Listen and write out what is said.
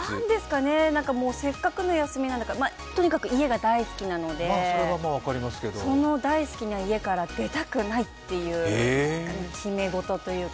せっかくの休みなんだからとにかく家が大好きなのでその大好きな家から出たくないという、決めごとというか。